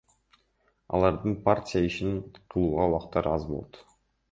Алардын партия ишин кылууга убакыттары аз болот.